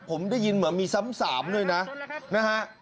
ผมได้ยินเหมือนมีซ้ำสามด้วยนะนะฮะ